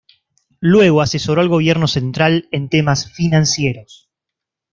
Luego asesoró al gobierno central en temas financieros.